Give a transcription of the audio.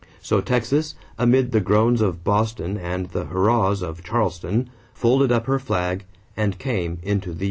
So Texas, amid the groans of Boston and the hurrahs of Charleston, folded up her flag and came into the union.